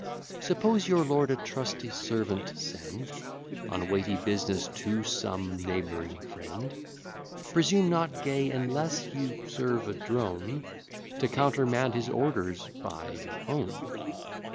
Suppose your lord a trusty servant send On weighty business to some neighbouring friend: Presume not, Gay, unless you serve a drone, To countermand his orders by your own.